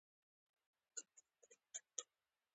په اسمان کې یخ ستوري او لاندې د شاه بلوط ځنګل معلومېده.